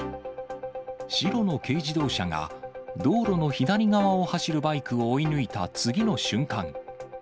白の軽自動車が、道路の左側を走るバイクを追い抜いた次の瞬間。